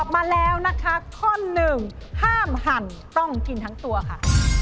มาแล้วนะคะข้อหนึ่งห้ามหั่นต้องกินทั้งตัวค่ะ